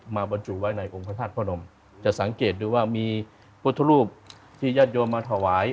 บรรจุไว้ในองค์พระธาตุพระนมจะสังเกตดูว่ามีพุทธรูปที่ญาติโยมมาถวาย